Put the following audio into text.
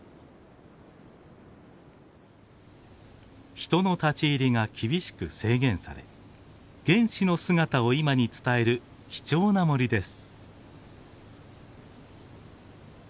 人の立ち入りが厳しく制限され原始の姿を今に伝える貴重な森です。